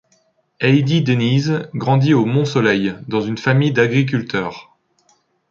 Heidi Deneys grandit au Mont-Soleil, dans une famille d'agriculteurs.